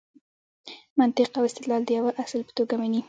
منطق او استدلال د یوه اصل په توګه مني.